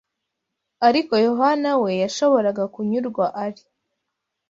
Ariko Yohana we yashoboraga kunyurwa ari